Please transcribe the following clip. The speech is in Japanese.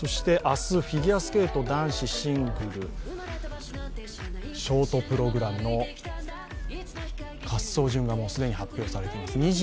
そして、明日フィギュアスケート男子シングルショートプログラムの発走順がすでに発表されています。